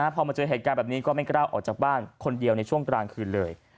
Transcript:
พอมาเจอเหตุการณ์แบบนี้ก็ไม่กล้าออกจากบ้านคนเดียวในช่วงกลางคืนเลย